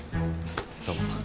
どうも。